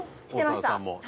してました。